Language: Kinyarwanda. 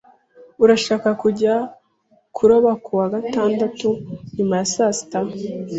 Urashaka kujya kuroba ku wa gatandatu nyuma ya saa sita?